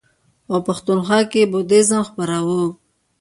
او پښتونخوا کې یې بودیزم خپراوه.